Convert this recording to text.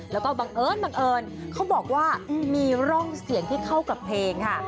แล้วก็บังเอิญบังเอิญเขาบอกว่ามีร่องเสียงที่เข้ากับเพลงค่ะ